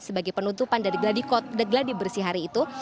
sebagai penutupan dari gladi bersih hari itu